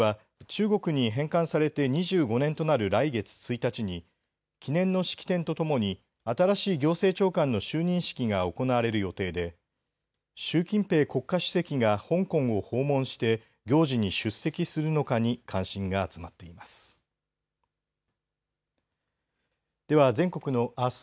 香港では中国に返還されて２５年となる来月１日に記念の式典とともに新しい行政長官の就任式が行われる予定で習近平国家主席が香港を訪問して行事に出席するのかに関心が集まっています。